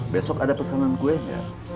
besok ada pesanan kue nggak